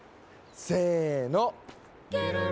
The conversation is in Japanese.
せの。